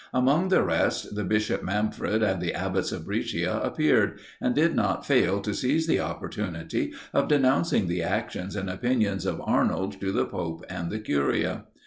Among the rest, the Bishop Manfred and the abbots of Brescia appeared; and did not fail to seize the opportunity of denouncing the actions and opinions of Arnold to the pope and the curia.